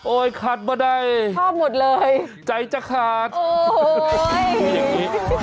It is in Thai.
โอ้ยขาดมาได้ชอบหมดเลยใจจะขาดโอ้โหอย่างงี้